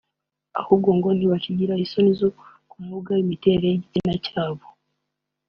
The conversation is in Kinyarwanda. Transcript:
ahubwo ngo ntibakigira isoni zo kuvuga imiterere y’igitsina cyabo